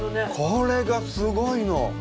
これがすごいの！